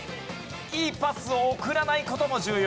いいパスを送らない事も重要。